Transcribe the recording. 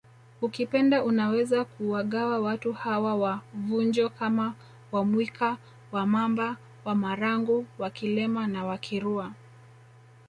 Ukipenda unaweza kuwagawa watu hawa wa Vunjo kama WaMwika WaMamba WaMarangu WaKilema na Wakirua